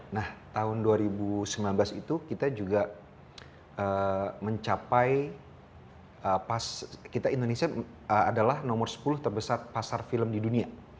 nah tahun dua ribu sembilan belas itu kita juga mencapai kita indonesia adalah nomor sepuluh terbesar pasar film di dunia